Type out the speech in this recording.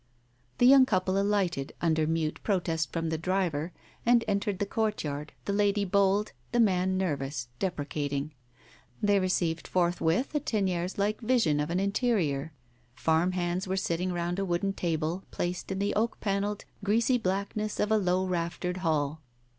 The young couple alighted, under mute protest from the driver, and entered the courtyard, the lady bold, the man nervous, deprecating. They received forthwith a Teniers like vision of an interior. Farm hands were sitting round a wooden table, placed in the oak panelled greasy blackness of a low raftered hall.